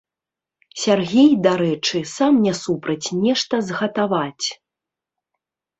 Сяргей, дарэчы, сам не супраць нешта згатаваць.